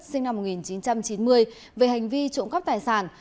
sinh năm một nghìn chín trăm chín mươi về hành vi trộm cắp tài sản